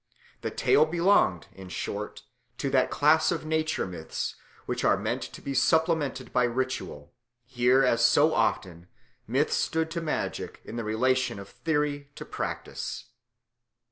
The tale belonged, in short, to that class of nature myths which are meant to be supplemented by ritual; here, as so often, myth stood to magic in the relation of theory to practice.